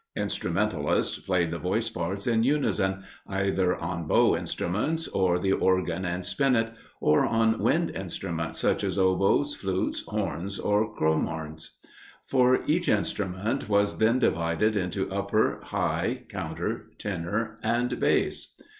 Instrumentalists played the voice parts in unison, either on bow instruments, or the Organ and Spinett, or on wind instruments, such as Oboes, Flutes, Horns, or Cromorns; for each instrument was then divided into upper, high, counter, tenor, and bass.